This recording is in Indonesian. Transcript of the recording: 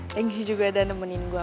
thanks juga udah nemenin gue